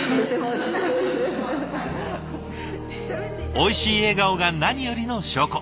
おいしい笑顔が何よりの証拠。